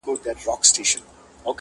لکه مړی وو بې واکه سوی سکور وو-